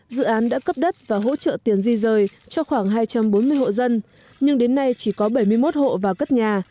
dự án đã cấp đất và hỗ trợ tiền di rời cho khoảng hai trăm bốn mươi hộ dân nhưng đến nay chỉ có bảy mươi một hộ vào cất nhà